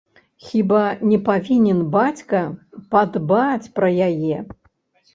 Хіба не павінен бацька падбаць пра яе?